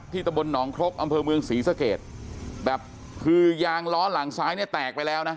ตะบลหนองครกอำเภอเมืองศรีสเกตแบบคือยางล้อหลังซ้ายเนี่ยแตกไปแล้วนะ